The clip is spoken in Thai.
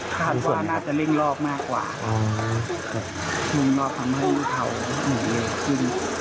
คาดว่าน่าจะเร่งรอบมากกว่าวิ่งรอบทำให้เขาหนีขึ้น